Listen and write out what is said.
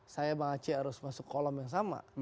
saya bang aceh harus masuk kolom yang sama